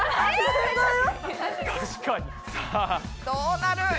どうなる？